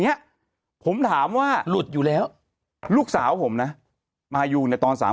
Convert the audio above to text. เนี้ยผมถามว่าหลุดอยู่แล้วลูกสาวผมนะมายูเนี่ยตอนสาม